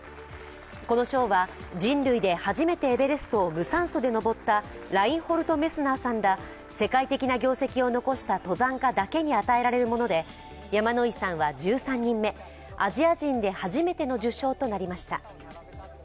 この賞は人類で初めてエベレストを無酸素で登ったラインホルト・メスナーさんら世界的な業績を残した登山家だけに与えられるもので山野井さんは、１３人目、アジア人で初めての受賞となりました。